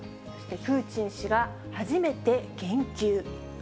そしてプーチン氏が初めて言及。